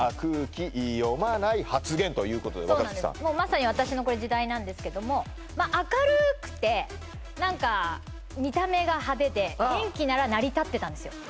まさに私のこれ時代なんですけどもまあ明るくて何か見た目が派手で元気なら成り立ってたんですよ